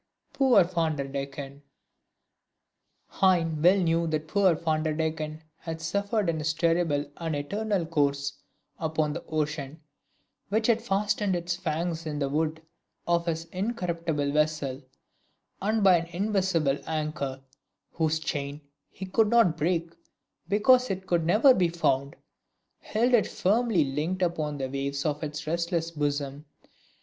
Poor Van der Decken!" Heine well knew what poor Van der Decken had suffered in his terrible and eternal course upon the ocean, which had fastened its fangs in the wood of his incorruptible vessel, and by an invisible anchor, whose chain he could not break because it could never be found, held it firmly linked upon the waves of its restless bosom.